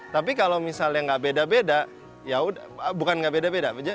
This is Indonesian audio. tapi kalau misalnya nggak beda beda ya bukan nggak beda beda